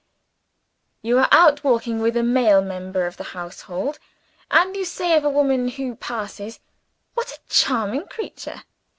You are out walking with a male member of the household; and you say of a woman who passes, "What a charming creature!"